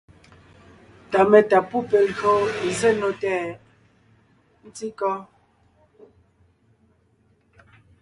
Ta metá pú pe lyò zsé nò tɛʼ ? ntí kɔ́?